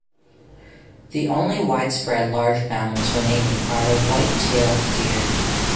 The only widespread large mammals remaining are white-tailed deer.